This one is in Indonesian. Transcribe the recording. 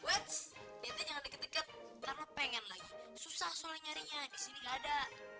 wets dia jangan deket deket karena pengen lagi susah soalnya nyarinya di sini gak ada